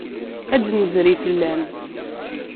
Ad d-nezri fell-am.